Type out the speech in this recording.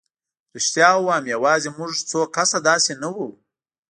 رښتیا ووایم یوازې موږ څو کسه داسې نه وو.